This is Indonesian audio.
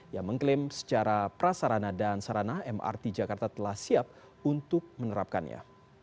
yang mengklaim secara prasarana dan sarana mrt jakarta telah siap untuk menerapkannya